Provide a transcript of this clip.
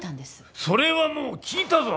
それはもう聞いたぞ！